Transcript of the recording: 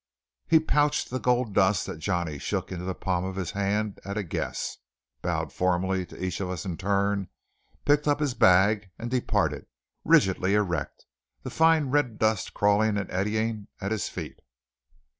He pouched the gold dust that Johnny shook into the palm of his hand at a guess, bowed formally to each of us in turn, picked up his bag and departed, rigidly erect, the fine red dust crawling and eddying at his feet.